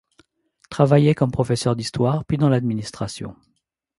Travaillait comme professeur d'histoire, puis, dans l'administration.